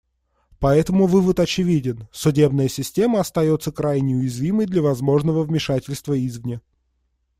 Поэтому вывод очевиден: судебная система остается крайне уязвимой для возможного вмешательства извне.